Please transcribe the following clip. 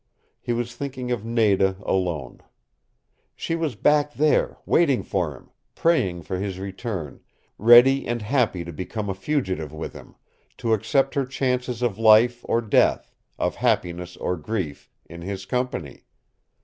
He was thinking of Nada alone. She was back there, waiting for him, praying for his return, ready and happy to become a fugitive with him to accept her chances of life or death, of happiness or grief, in his company.